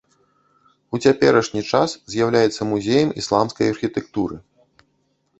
У цяперашні час з'яўляецца музеем ісламскай архітэктуры.